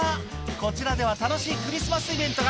「こちらでは楽しいクリスマスイベントが」